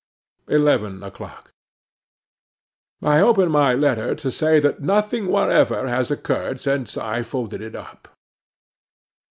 'Eleven o'clock. 'I OPEN my letter to say that nothing whatever has occurred since I folded it up.